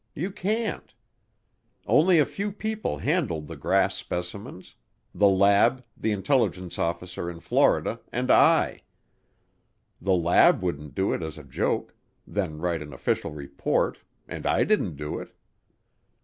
You can't. Only a few people handled the grass specimens: the lab, the intelligence officer in Florida, and I. The lab wouldn't do it as a joke, then write an official report, and I didn't do it.